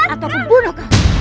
atau bunuh kau